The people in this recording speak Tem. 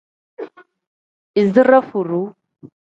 Izire furuu.